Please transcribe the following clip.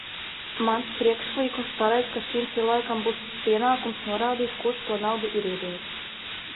Mans priekšlikums paredz, ka šim cilvēkam būs pienākums norādīt, kurš to naudu ir iedevis.